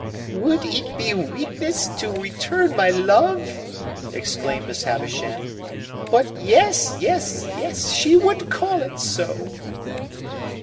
"Would it be weakness to return my love?" exclaimed Miss Havisham. "But yes, yes, she would call it so!"